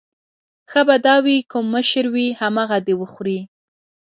ښه به دا وي کوم مشر وي همغه دې وخوري.